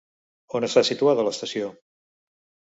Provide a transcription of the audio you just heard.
On està situada l'estació?